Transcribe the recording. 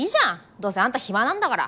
どうせあんた暇なんだから！